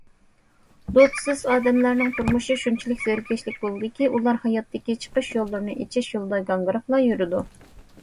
دوستسىز ئادەملەرنىڭ تۇرمۇشى شۇنچىلىك زېرىكىشلىك بولىدۇكى، ئۇلار ھاياتتىكى چىقىش يوللىرىنى ئېچىش يولىدا گاڭگىراپلا يۈرىدۇ.